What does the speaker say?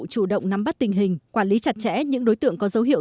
chủ động nắm bắt tình hình quản lý chặt chẽ những đối tượng có dấu hiệu